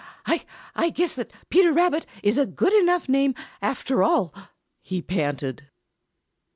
"I I guess that Peter Rabbit is a good enough name, after all," he panted.